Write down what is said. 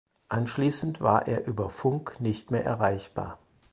Anschließend war er über Funk nicht mehr erreichbar.